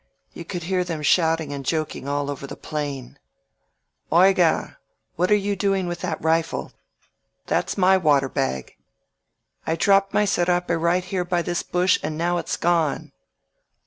You could hear them shouting and joking all over the plain. Oijat Where are you going with that rifle? That's my water bag! I dropped my serape right here by this bush, and now it's gone!"